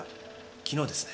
昨日ですね。